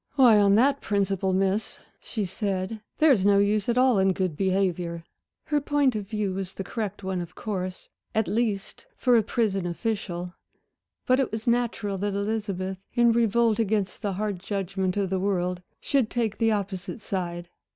"Why, on that principle, Miss," she said, "there's no use at all in good behavior." Her point of view was the correct one, of course at least for a prison official. But it was natural that Elizabeth, in revolt against the hard judgment of the world, should take the opposite side.